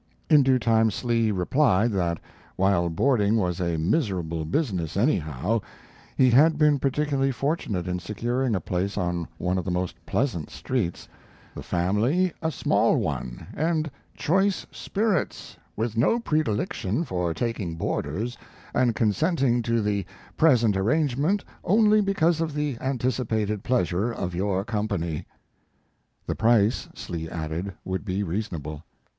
In due time Slee replied that, while boarding was a "miserable business anyhow," he had been particularly fortunate in securing a place on one of the most pleasant streets "the family a small one and choice spirits, with no predilection for taking boarders, and consenting to the present arrangement only because of the anticipated pleasure of your company." The price, Slee added, would be reasonable.